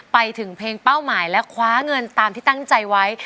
ไปถึงเพลงเป้าหมายและคว้าเงินตามที่ตั้งใจไว้